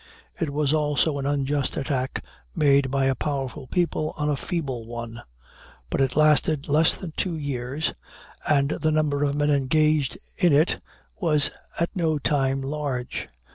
It was also an unjust attack made by a powerful people on a feeble one; but it lasted less than two years, and the number of men engaged in it was at no time large.